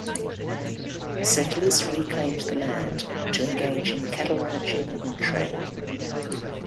Settlers reclaimed the land to engage in cattle ranching and trade.